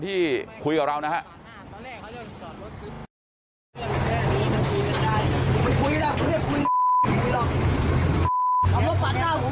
ต้องกูไหวให้สวยได้